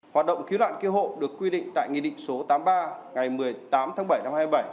hoạt động cứu nạn cứu hộ được quy định tại nghị định số tám mươi ba ngày một mươi tám tháng bảy năm hai nghìn bảy